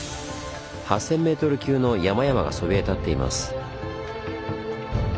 ８，０００ｍ級の山々がそびえ立っています。